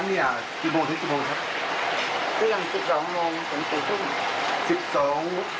ช่วงเที่ยงกับเย็นด้นเย็นแสงอาหกหรือนะครับ